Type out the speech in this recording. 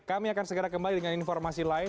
kami akan segera kembali dengan informasi lain